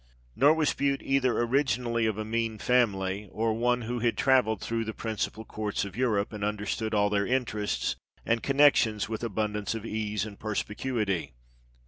Nor was Bute either " originally of a mean family," or " one who had travelled through the principal courts of Europe, and understood all their interests and connections with abundance of ease and perspicuity " (p.